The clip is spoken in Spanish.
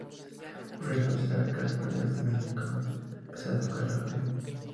Ringo Starr casi perdió la señal de empezar a tocar la batería.